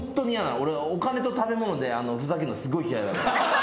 俺お金と食べ物でふざけるのすごい嫌いだから。